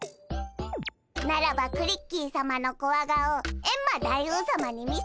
ならばクリッキーさまのコワ顔エンマ大王さまに見せてやるぞ！